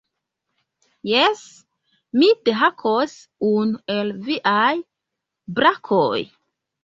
Jes, mi dehakos unu el viaj brakoj.